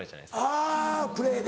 あプレーで。